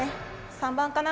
３番かな？